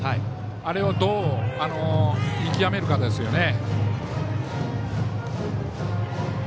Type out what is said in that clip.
あれをどう見極めるかですね。